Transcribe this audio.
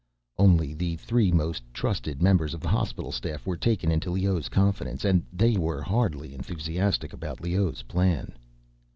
Only the three most trusted members of the hospital staff were taken into Leoh's confidence, and they were hardly enthusiastic about Leoh's plan.